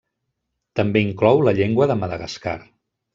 També inclou la llengua de Madagascar.